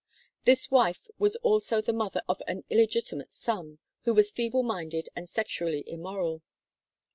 This wife was also the mother of an illegitimate son, who was feeble minded and sexually immoral.